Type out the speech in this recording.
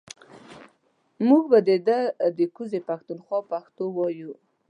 مونږ به ده ده کوزې پښتونخوا پښتو وايو